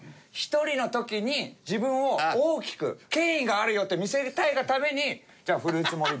１人の時に自分を大きく権威があるよって見せたいがためにじゃあフルーツ盛り